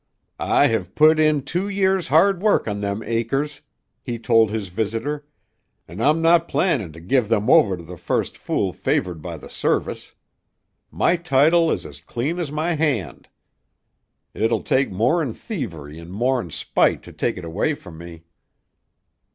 "I hev put in two years' hard work on them acres," he told his visitor, "an' I'm not plannin' to give them over to the first fool favored by the Service. My title is as clean as my hand. It'll take more'n thievery an' more'n spite to take it away from me."